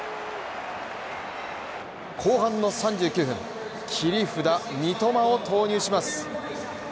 後半の３９分、切り札・三笘を投入します。